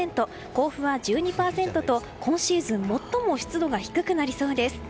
甲府は１２％と今シーズン最も湿度が低くなりそうです。